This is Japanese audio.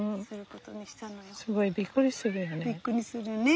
すごいびっくりするよね。